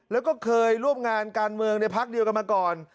แล้วก็เคยร่วมงานการเมืองในพักเดียวกันมาก่อน